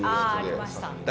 あありましたはい。